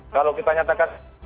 kalau kita nyatakan